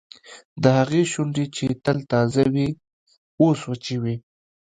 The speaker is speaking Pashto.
د هغې شونډې چې تل تازه وې اوس وچې وې